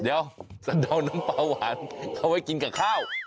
เดี๋ยวสะเดาน้ำปลาหวานเขาไว้กินกับข้าว